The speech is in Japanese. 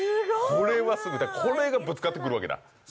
これがぶつかってくるわけだ。